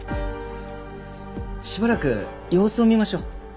しばらく様子を見ましょう。